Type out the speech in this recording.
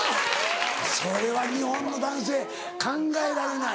それは日本の男性考えられない。